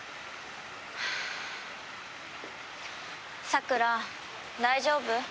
さくら大丈夫？